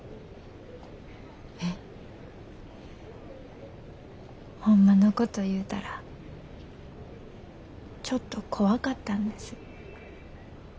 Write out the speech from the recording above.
えっ？ホンマのこと言うたらちょっと怖かったんです。